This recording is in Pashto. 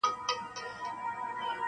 له خوږو او له ترخو نه دي جارېږم,